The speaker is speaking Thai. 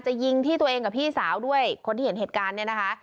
ยิงที่ตัวเองกับพี่สาวด้วยคนที่เห็นเหตุการณ์เนี่ยนะคะ